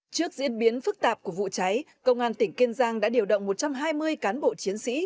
trước diễn biến phức tạp của vụ cháy công an tỉnh kiên giang đã điều động một trăm hai mươi cán bộ chiến sĩ